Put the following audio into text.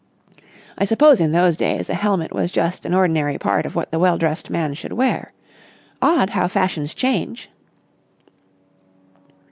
I suppose in those days a helmet was just an ordinary part of what the well dressed man should wear. Odd how fashions change!"